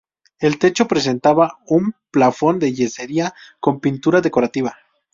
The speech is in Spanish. El techo presentaba un plafón de yesería con pintura decorativa.